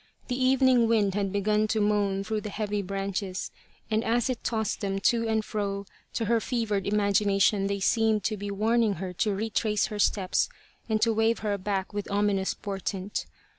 The even ing wind had begun to moan through the heavy branches, and as it tossed them to and fro, to her fevered imagination they seemed to be warning her to retrace her steps and to wave her back with ominous portent.